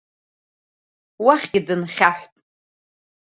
Уахьгьы дынхьаҳәт.